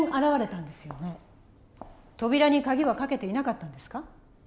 扉にカギは掛けていなかったんですか？